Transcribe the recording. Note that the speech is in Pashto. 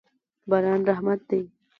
باران رحمت دی.